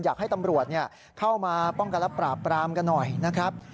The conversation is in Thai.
อยากให้ตำรวจเข้ามาป้องกันและปราบปรามกันหน่อยนะครับ